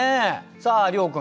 さあ諒君